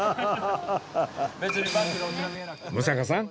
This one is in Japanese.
六平さん